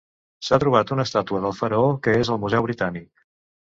S'ha trobat una estàtua del faraó que és al Museu Britànic.